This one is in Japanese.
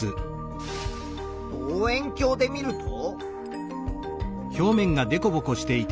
望遠鏡で見ると。